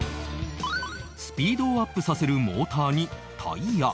スピードをアップさせるモーターにタイヤ